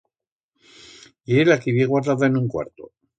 Ye la que ib'ye guardada en un cuarto.